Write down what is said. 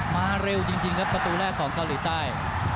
มาเร็วจริงครับประตูแรกของเกาหลีใต้